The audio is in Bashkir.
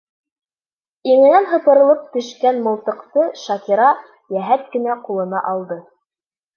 Иңенән һыпырылып төшкән мылтыҡты Шакира йәһәт кенә ҡулына алды.